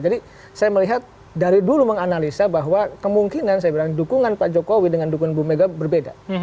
jadi saya melihat dari dulu menganalisa bahwa kemungkinan saya bilang dukungan pak jokowi dengan dukungan ibu mega berbeda